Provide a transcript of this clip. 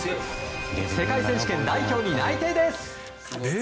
世界選手権代表に内定です。